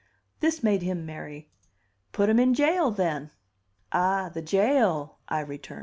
This made him merry. "Put 'em in jail, then!" "Ah, the jail!" I returned.